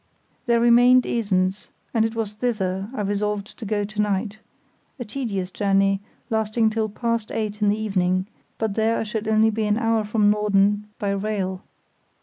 There remained Esens, and it was thither I resolved to go to night—a tedious journey, lasting till past eight in the evening; but there I should only be an hour from Norden by rail.